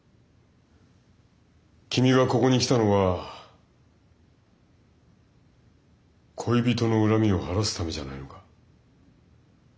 君がここに来たのは恋人の恨みを晴らすためじゃないのか？